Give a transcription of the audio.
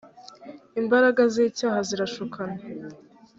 imbaraga z’icyaha zirashukana